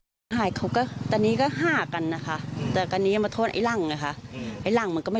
พูดสืบข่าวก็ไปสัมภาษณ์แม่ในนั้นดูบ้างค่ะ